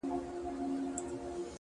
پوه انسان د حقیقت لټون نه پرېږدي